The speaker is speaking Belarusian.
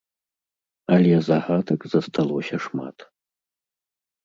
Але загадак засталося шмат.